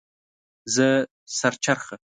زه سر چرخه